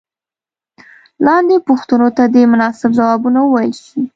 لاندې پوښتنو ته دې مناسب ځوابونه وویل شي.